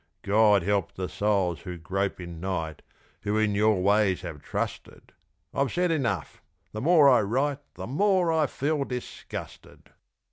God help the souls who grope in night Who in your ways have trusted! I've said enough! the more I write, The more I feel disgusted.